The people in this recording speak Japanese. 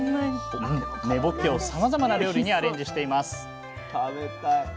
根ぼっけをさまざまな料理にアレンジしています